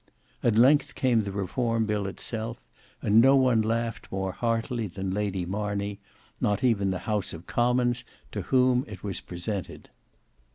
At length came the Reform Bill itself, and no one laughed more heartily than Lady Marney; not even the House of Commons to whom it was presented.